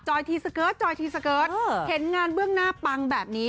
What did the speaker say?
ทีสเกิร์ตจอยทีสเกิร์ตเห็นงานเบื้องหน้าปังแบบนี้